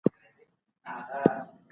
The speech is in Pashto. پوهه د برياليتوب ستر راز دی.